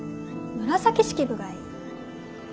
紫式部がいい。